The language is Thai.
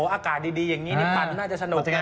อักกาลดีอย่างนี้ปั่นน่าจะสนุกนะ